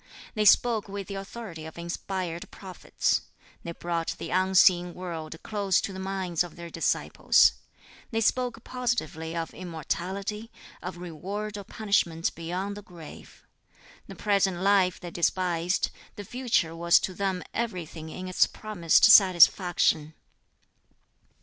They spoke with the authority of inspired prophets. They brought the unseen world close to the minds of their disciples. They spoke positively of immortality, of reward or punishment beyond the grave. The present life they despised, the future was to them everything in its promised satisfaction.